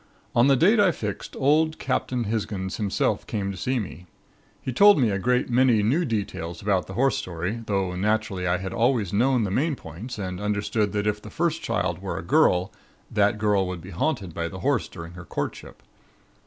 On the date I fixed old Captain Hisgins himself came up to see me. He told me a great many new details about the horse story; though naturally I had always known the main points and understood that if the first child were a girl, that girl would be haunted by the Horse during her courtship.